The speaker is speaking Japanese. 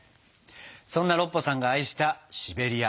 そんなロッパさんが愛したシベリア。